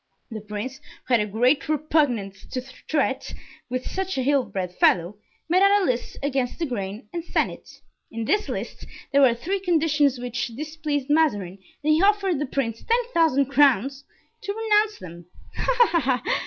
The prince, who had a great repugnance to treat with such an ill bred fellow, made out a list, against the grain, and sent it. In this list there were three conditions which displeased Mazarin and he offered the prince ten thousand crowns to renounce them." "Ah, ha, ha!"